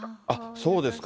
そうですか。